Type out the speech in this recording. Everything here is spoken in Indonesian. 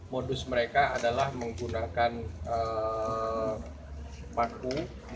modus mereka adalah menggunakan paku